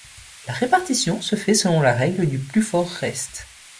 La répartition se fait selon la règle du plus fort reste.